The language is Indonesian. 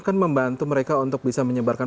kan membantu mereka untuk bisa menyebarkan